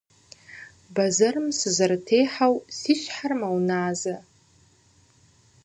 Бэзэрым сызэрытехьэу си щхьэр мэуназэ.